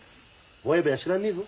ぼやぼやしてらんねえぞ。